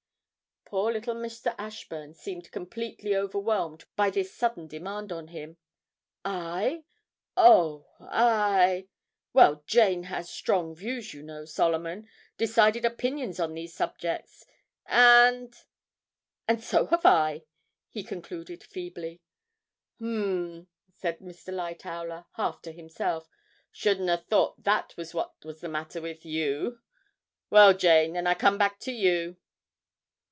Poor little Mr. Ashburn seemed completely overwhelmed by this sudden demand on him. 'I? oh, I well, Jane has strong views, you know, Solomon, decided opinions on these subjects, and and so have I!' he concluded feebly. 'Um,' said Mr. Lightowler, half to himself, 'shouldn't a' thought that was what's the matter with you! Well, Jane, then I come back to you.